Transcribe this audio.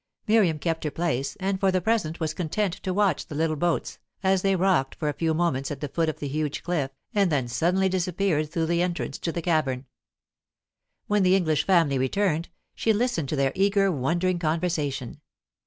Miriam kept her place, and for the present was content to watch the little boats, as they rocked for a few moments at the foot of the huge cliff and then suddenly disappeared through the entrance to the cavern. When the English family returned, she listened to their eager, wondering conversation.